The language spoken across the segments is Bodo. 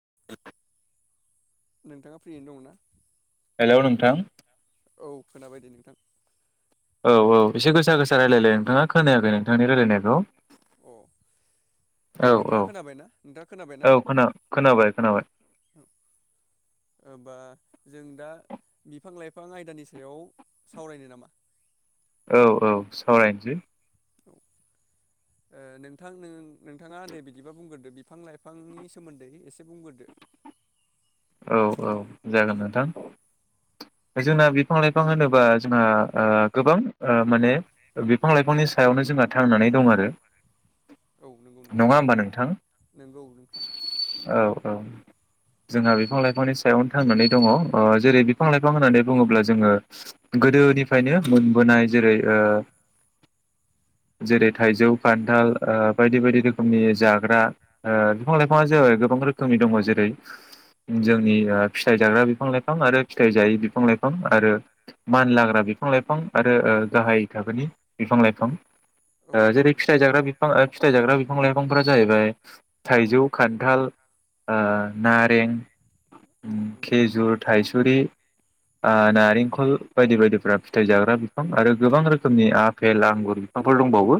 [inaudible] नोंथाङा फ्रियैनो दङ ना हेलौ नोंथां औ खोनाबाय दे नोंथां औ औ एसे गोसा गोसा रायलायलाय नोंथाङा खोनायाखै नोंथांनि रायलायनायखौ अ दे औ औ नोंथाङा खोनाबायना नोंथाङा खोनाबायना औ खोनाबाय खोनाबाय खोनाबाय औ होनबा जों दा बिफां लाइफां आयदानि सायाव सावरायनो नामा औ औ सावरायनोसै औ ओ नोंथां नोंथाङा दे बिदिबा बुंग्रोदो बिफां लाइफांनि सोमोन्दै एसे बुंग्रोदो औ औ जागोन नोंथां जोंना बिफां लाइफां होनोबा जोंहा ओ गोबां ओ माने बिफां लाइफांनि सायावनो जोंहा थांनानै दं आरो औ नंगौ नोंथां नङा होमबा नोंथां नंगौ नोंथां औ औ जोंहा बे बिफां लाइफांनि सायावनो थांनानै दङ ओ जेरै बिफां लाइफां होननानै बुङोब्ला जोङो गोदोनिफ्रायनो मोनबोनाय जेरै ओ जेरै थाइजौ खान्थाल ओ बायदि बायदि रोखोमनि जाग्रा ओ बिफां लाइफांआ जाबाय गोबां रोखोमनि दङ जेरै जोंनि फिथाइ जाग्रा बिफां लाइफां आरो फिथाइ जायै बिफां लाइफां आरो मान लाग्रा बिफां लाइफां आरो ओ गाहाय थाखोनि बिफां लाइफां औ ओ जेरै नंगौ नोंथां फिथाइ जाग्रा बिफां ओ फिथाइ जाग्रा बिफां लाइफांफोरा जाहैबाय थाइजौ खान्थाल नारें औ नंगौ नोंथां खेजुर थायसुरि ओ औ नारेंखल बायदि बायदिफ्रा फिथाइ जाग्रा बिफां आरो गोबां रोखोमनि आफेल आंगुर बिफांफोर दंबावो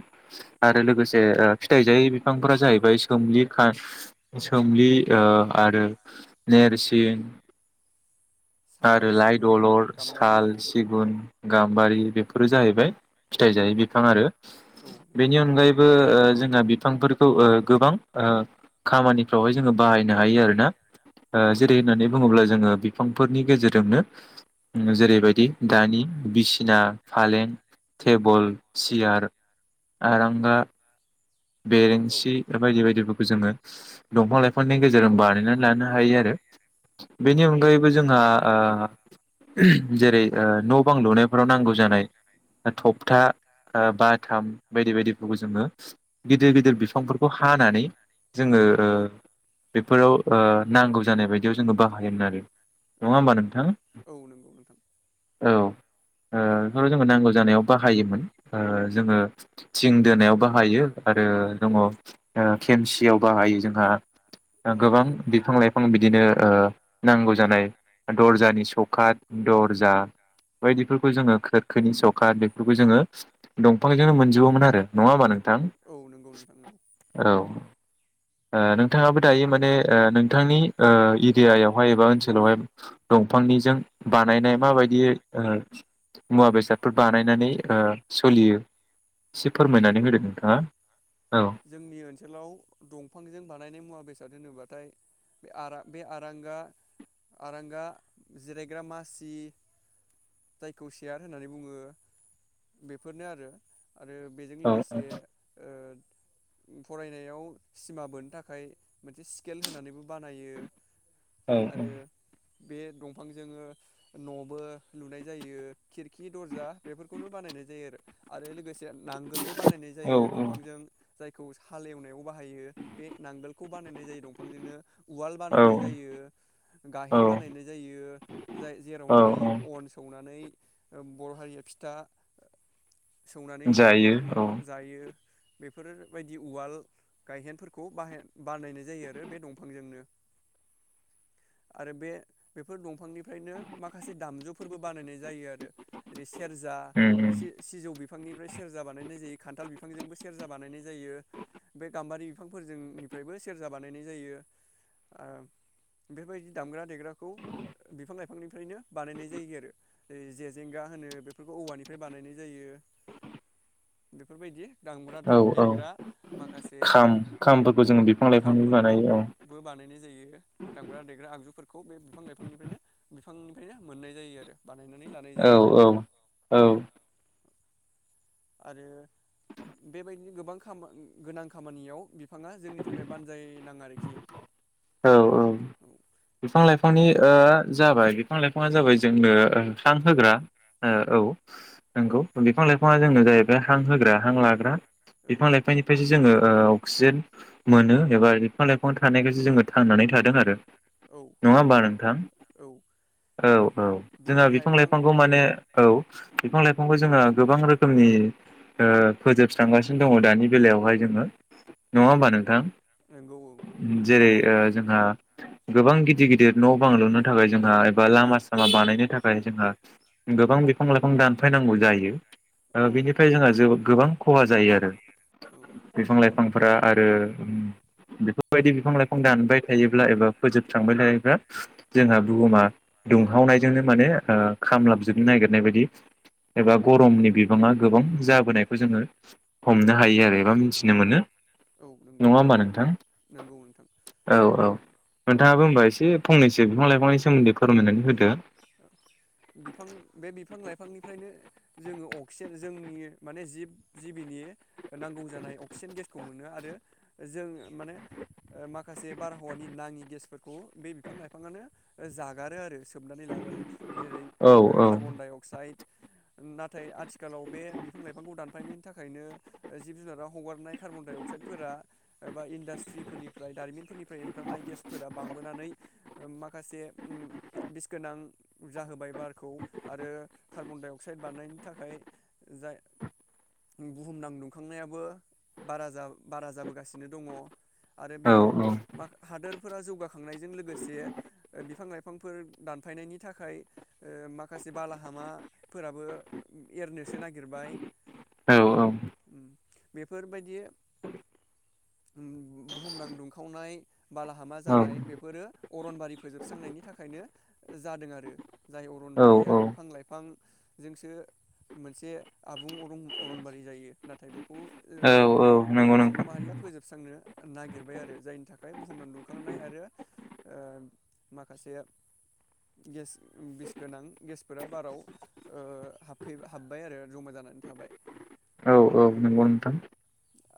आरो औ लोगोसे फिथाइजायै बिफांफोरा जाहैबाय सोम सोमलि आरो नेरसिं साल आरो लाइ सिगुन दलर गाम्बारि साल सिगुन [inaudible] गाम्बारि बेफोरो जाहैबाय फिथाइ जायि बिफां आरो औ नंगौ बेनि नोंथां अनगायैबो ओ जोंहा बिफांफोरखौ ओ गोबां ओ खामानिफ्रावहाय जोङो बाहायनो हायो आरोना ओ औ जेरै होननानै बुङोब्ला जोङो बिफांफोरनि गेजेरजोंनो उम जेरैबायदि दानि बिसिना फालें टेबोल सियार आरांगा औ बेरेंसि बायदि बायदिबो। जोङो दंफां लाइफांनि गेजेरजों बानायनानै लानो हायो आरो। औ बेनि नंगौ अनगायैबो जोंहा नोंथां ओ। [unintelligible] न' बां लुनायफोराव नांगौ जानाय थपथा बाथाम बायदि बायदिफोरखौ जोङो। गिदिर गिदिर बिफांफोरखौ हानानै जोङो ओ बेफोराव नांगौ जानाय बायदियाव जोङो बाहायोमोन आरो, औ नङा होमबा नंगौ नोंथां? औ नंगौ नोंथां औ। ओ बेफोर जो नांगौ जानायाव बाहायोमोन ओ जोङो थिं दोनायाव बाहायो। आरो दङ ओ खेमसियाव बाहायो जोंहा औ गोबां बिफां लाइफां बिदिनो ओ नांगौ जानाय दर्जानि सौख दर्जा बायदिफोरखौ जोङो खोरखोनि सौखाद बेफोरखौ जोङो दंफांजोंनो मोनजोबोमोन आरो। नङा होमबा नोंथां? औ नंगौ नोंथां नंगौ औ नोंथाङाबो दायो माने नोंथांनि ओ एरियायावहाय एबा ओनसोलावहाय। दंफांनिजों बानायनाय माबायदि मुवा बेसादफोर बानायनानै ओ सोलियो एसे औ फोरमायनानै होदों नोंथाङा। औ जोंनि ओनसोलाव दंफांजों बानायनाय मुवा बेसाद होनोब्लाथाय। [unintelligible] बे आरांगा आरांगा जिरायग्रा मासि जायखौ सेयार होननानै बुङो बेफोरनो आरो। आरो बेजों औ लोगोसे ओ फरायनायाव सिमा बोनो थाखाय मोनसे स्केल होनानैबो बानायो। औ औ आरो बे [unintelligible] बिफां जोङो न'बो लुनाय जायो। खिरखि दर्जा बेफोरखौनो बानायनाय जायो आरो। आरो [unintelligible] [unintelligible] नांगोलबो बानायनाय औ जायो दंफांजों जाय। खौ सालेवनायाव [unintelligible] बे नांगोलखौ बानायनाय जायो दांजोंनो उवाल औ बानायनाय जायो औ गाहेन बानायनाय जायो। [unintelligible] औ जेरावनाखि अन सौनानै [unintelligible] बर' हारिया फिथा सौनानै जायो औ [unintelligible] जायो। बेफोरबायदि उवाल गायहेनफोरखौ बाहाय। बानायनाय जायो आरो बे दंफांजोंनो आरो बे बेफोर दंफांनिफ्रायनो माखासे दामजुफोरबो बानायनाय जायो आरो। [unintelligible] सेरजा उम उम सि सिजौ बिफांनिफ्राय सेरजा बानायनाय जायो खान्थाल बिफांजोंबो सेरजा बानायनाय जायो [unintelligible] बे गाम्बारि बिफांफोरजोंनिफ्रायबो सेरजा बानायनाय जायो आ बेबायदि दामग्रा देग्राखौ बिफां लाइफांनिफ्रायनो बानायनाय जायो आरो जेेजेंगा होनो बेफोरखौ औवानिफ्राय बानायनाय जायो बेफोरबायदि दामग्रा दु औ औ देग्रा माखासे खाम खामफोरखौ जोङो बिफां [unintelligible] लाइफांनि बानायो खामफोरखौबो बानायनाय जायो दामग्रा देग्रा आगजुफोरखौ [unintelligible] बिफां लाइफांनिफ्रायनो बिफांनिफ्रायनो मोननाय जायो आरो बानायनानै लानाय औ जायो औ औ औ आरो बेबायदिनो गोनां खामानियाव बिफाङा जोंनि थाखाय बानजाय नाङारि बिफां [unintelligible] औ औ बिफां लाइफांनि जाबाय बिफां लाइफाङा जाबाय जोंनो हां होग्रा औ नोंगौ बिफां लाइफां बिफाङा जोंनो जाहैबाय हां होग्रा हां लाग्रा औ बिफां लाइफांनिफ्रायसो जोङो अक्सिजेन मोनो एबा बिफां लाइफां थानायखायसो जोङो थांनानै थादों आरो औ नङा नंगौ होमबा नोंथां औ औ माने औ जोंहा बिफां लाइफांखौ माने औ बिफां लाइफांखौ जोंहा गोबां रोखोमनि फोजोबस्रांगासिनो दङ दानि बेलायावहाय जोङो नङा होमबा नोंथां? नंगौ औ नंगौ जेरै जोंहा गोबां गिदिर गिदिर न' बांलुनो थाखाय जोंहा एबा लामा सामा बानायनो थाखाय जोंहा गोबां बिफां लाइफां दानफायनांगौ जायो। औ बिनिफ्राय जोंहा ज गोबां खहा जायो आरो औ बिफां लाइफां आरो बेफोरबायदि बिफां लाइफां दानबाय थायोब्ला एबा फोजोब्रांबाय थायोब्ला जोंहा बुहुमा दुंहावनाय जोंनो मे खामलाबजोबनो नागिरनाय बायदि एबा गरमनि बिबाङा गोबां जाबोनायखौ जोङो हमनो हायो आरो एबा मिथिनो मोनो औ नंगौ नङा होमबा नोंथां। नंगौ नोंथां औ औ नोंथाङाबो होनबा एसे फंनैसो बिफां लाइफांनि सोमोन्दै फोरमायनानै होदो बिफां बे बिफां लाइफां बिफांनिफ्रायनो जोङो अक्सिजेन जोंनि माने जिब जिबिनि नांगौ जानाय अक्सिजेन गेसखौ मोनो आरो जों माने माखासे बारहावानि नाङि गेसफोरखौ बे बिफां लाइफाङानो जागारो आरो सोबनानै लाङो आरो जेरै औ ओ औ कार्बन डाइ अक्साइड नाथाय आथिखालाव बे बिफां लाइफांखौ दानफायनायनि थाखायनो जिब जुनारा हगारनाय कार्बनडाइ अक्साइडफोरा एबा इन्डास्ट्रिफोरनिफ्राय दारिमिनफोरनिफ्राय ओंखारनाय गेसफोरा बांबोनानै माखासे बिस गोनां जाहोबाय बारखौ आरो कार्बनडाइ अक्साइद बारनायनि थाखाय जा बुहुमनां दुंखांनायाबो बारा बारा जाबोगासिनो दङ आरो बिफां औ हादोरफोरा जौगाखांनायजों लोगोसे बिफां लाइफांफोर दानफायनायनि थाखाय माखासे बालाहामाफोराबो एरनोसो नागिरबाय औ बेफोरबायदि बुहुमनां दुंखावनाय बालाहामा जानाय बेफोरो अरनबारि फोजोबस्रांनायनि थाखायनो जादों आरो। जाय अरनबारिया औ बिफां लाइफांजोंसो मोनसे आबुं अरं अरनबारि जायो नाथाय बेखौ औ ओ औ नंगौ सुबुं नोंथां माहारिया फोजोबस्रांनो नागिरबाय आरो जायनि थाखाय बुहुमना दुंखांनाय आरो ओ माखासे गेस बिस गोनां गेसफोरा बाराव ओ हाबफै हाबबाय आरो जमा जानानै थाबाय औ औ नंगौ नोंथां।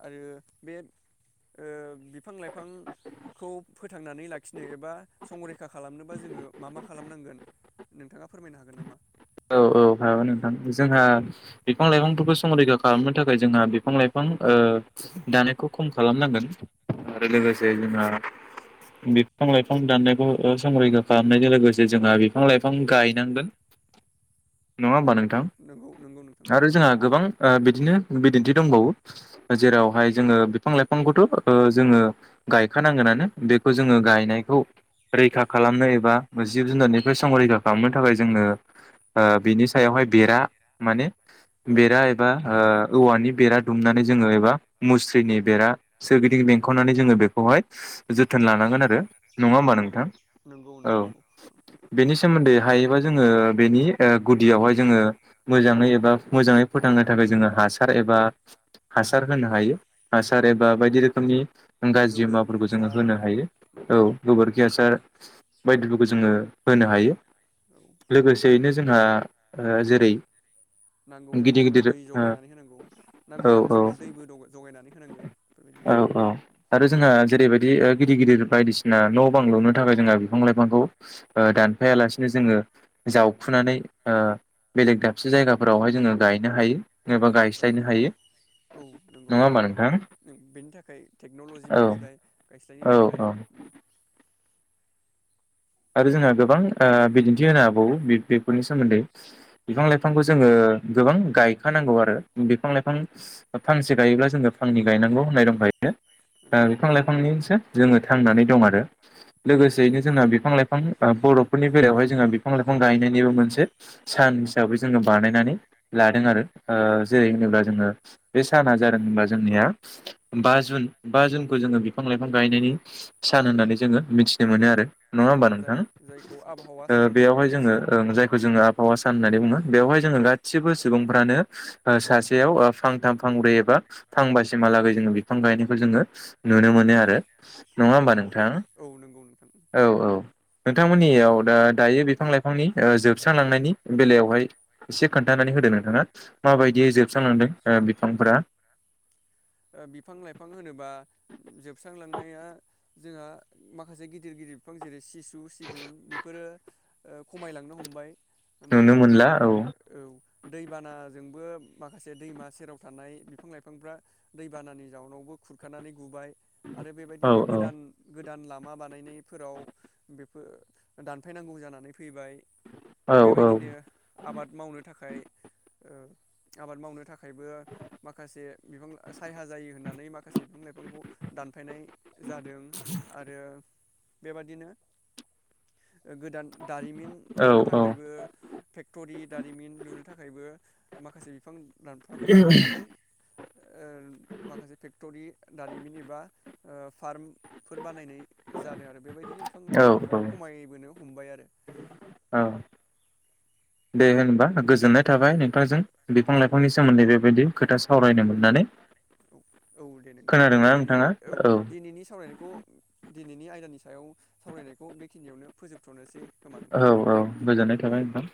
आरो बे ओ बिफां लाइफांखौ फोथांनानै लाखिनो एबा संरैखा खालामनोबा जोङो मा मा खालामनांगोन? नोंथाङा फोरमायनो हागोन नामा। औ औ हागोन नोंथां जोंहा बिफां लाइफांफोरखौ संरैखा खालामनो थाखाय जोंहा बिफां लाइफां ओ दानायखौ खम खालामनांगोन आरो लोगोसे जोंहा बिफां लाइफां दाननायखौ ओ संरैखा खालामनायजों लोगोसे जोंहा बिफां लाइफां गायनांगोन। नङा औ होमबा नोंथां नंगौ नंगौ नोंथां आरो जोंहा गोबां ओ बिदिनो बिदिन्थि दंबावो जेरावहाय जोङो बिफां लाइफांखौथ' जोङो गायखानांगोनानो बेखौ जोङो गायनायखौ रैखा खालामनो एबा जिब जुनारनिफ्राय संरैखा खालामनो थाखाय जोंनो ओ बिनि सायावहाय बेरा माने औ बेरा एबा ओ औवानि बेरा दुमनानै जोङो एबा मुस्रिनि बेरा सोरगिदिं बेंखननानै जोङो बेखौहाय जोथोन लानांगोन आरो। नङा औ होमबा नोंथां नंगौ नोंथां नंगौ औ बेनि सोमोन्दै हायोबा जोङो बेनि ओ गुदियावहाय जोङो मोजाङै एबा मोजाङै फोथांनो थाखाय जोङो हासार एबा हासार होनो हायो। औ हासार एबा बायदि रोखोमनि गाज्रि गोबोरनि मुवाफोरखौ जोङो हासार होनो हायो औ गोबोर खिहासार बायदिफोरखौ जोङो होनो हायो। औ लोगोसेयैनो जोंहा ओ जेरै नांगौ जानाय गिदिर समाव गिदिर दै जगायनानै होनांगौ नांगौ ओ जानाय औ समाव दैबो जगायनानै होनांगोन बेफोरबायदि बि गिदिर गिदिर बायदिसिना न' बांलुनो थाखाय जोंहा बिफां लाइफांखौ ओ दानफायालासिनो जोङो जाव खुनानै ओ बेलेग दाबसे जायगाफोरावहाय जोङो गायनो हायो। एबा औ गायस्लायनो हायो औ नंगौ नङा होमबा नोंथां बेनि थाखाय औ टेक्न'ल'जिबो फैबाय गायस्लायनो औ थाखाय औ आरो जोंहा गोबां ओ बिदिन्थि होनो हबावो बेफोरनि सोमोन्दै बिफां लाइफांखौ जोङो गोबां गायखानांगौ आरो बिफां लाइफां फांसे गायोब्ला जोङो फांनै गायनांगौ होननाय दंखायो। ओ बिफां लाइफांनिसो जोङो थांनानै दं आरो। औ लोगोसेयैनो जोंना बे बिफां बर'फोरनि बेलायावहाय जोङो बिफां लाइफां गायनायनिबो मोनसे सान हिसाबै जोङो बानायनानै लादों आरो ओ जेरै होनोब्ला जोंना बे साना जादों होनबा जोंनिया बा जुन बा जुनखौ जोङो बिफां लाइफां गायनायनि सान होननानै जोङो मिथिनो मोनो आरो। नङा उम, होमबा जाय नोंथां जायखौ आबहावा ओ सान होननानैबो बेयावहाय जोङो मिथियो जायखौ जोङो आबहावा सान होननानै बुङो बेयावहाय जोङो गासिबो सुबुंफ्रानो सासेयाव फांथाम फांब्रै एबा फांबासिमहालागै जोङो बिफां गायनायखौ जोङो नुनो मोनो आरो। नङा होमबा औ नोंथां औ नंगौ नोंथां। औ औ नोंथांमोननियाव दा दायो बिफां लाइफांनि जोबस्रांलांनायनि बेलायावहाय एसे खोन्थानानै होदों नोंथाङा माबायदियै जोबस्रांलांदों बिफांफोरा बिफां लाइफां होनोबा जोबस्रांलांनाया जोंहा माखासे गिदिर गिदिर बिफां जेरै सिसु सिगुन बेफोरो ओ खमायलांनो हमबाय। उम नुनो मोनला जेरै औ दैबानाजोंबो माखासे दैमा सेराव थानाय बिफां लाइफांफ्रा दैबानानि जाउनावबो खुरखानानै गुबाय। आरो औ बेबायदिनो औ गोदान गोद गोदान लामा बानायनायफोराव बेफोर दानफायनांगौ जानानै फैबाय। औ बेबायदिनो आबाद मावनो थाखाय। ओ आबाद मावनो थाखाय। थाखायबो माखासे बिफां सायहा जायो होननानै माखासे बिफां लाइफांखौ दानफायनाय जादों आरो। बेबादिनो ओ गोदान दारिमिन लुनो थाखायबो फेक्टरि दारिमिन लुनो थाखायबो माखासे बिफां लाइफांखौ दानफायनानै। ओ माखासे फेक्टरि दारिमिन एबा ओ फार्मफोर बानायनाय जादों आरो बेबायदिनो बिफां औ लाइफांफोरा खमायबोनो हमबाय आरो। ओ दे होनबा गोजोननाय थाबाय नोंथांजों। बिफां औ लाफांनि सोमोन्दै बेबायदि खोथा सा सावरायनो मोननानै। औ औ दे नोंथां खोनादोंना दिनै नोंथाङा औ दिनैनि सावरायनायखौ दिनैनि आयदानि सायाव। सावरायनायखौ बेखिनियावनो फोजोबथ'नोसै खोमा नोंथां। औ औ गोजोननाय थाबाय नोंथां।